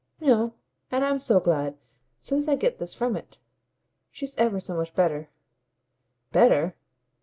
"No and I'm so glad, since I get this from it. She's ever so much better." "Better?